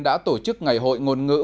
đã tổ chức ngày hội ngôn ngữ